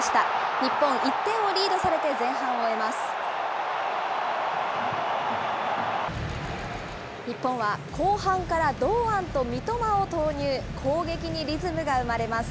日本、１点をリードされて前半を終えます。